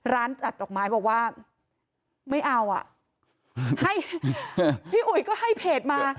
ร้านจัดดอกไม้บอกว่าไม่เอาอ่ะให้พี่อุ๋ยก็ให้เพจมา